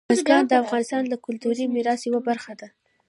بزګان د افغانستان د کلتوري میراث یوه برخه ده.